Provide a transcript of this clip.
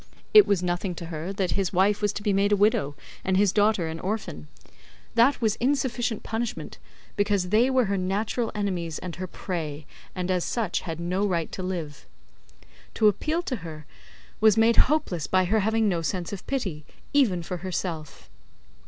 It was nothing to her, that his wife was to be made a widow and his daughter an orphan; that was insufficient punishment, because they were her natural enemies and her prey, and as such had no right to live. To appeal to her, was made hopeless by her having no sense of pity, even for herself.